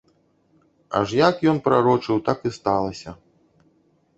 Аж як ён прарочыў, так і сталася.